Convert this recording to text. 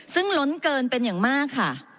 ซึ่งล้นเกินเป็นอย่างมากค่ะ